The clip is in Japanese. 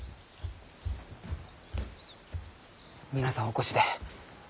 皆さんお越しで。